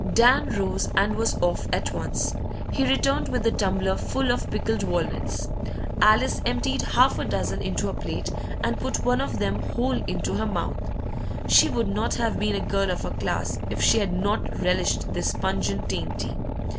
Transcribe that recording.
Dan rose, and was off at once. He returned with the tumbler full of pickled walnuts. Alice emptied half a dozen into her plate, and put one of them whole into her mouth. She would not have been a girl of her class if she had not relished this pungent dainty.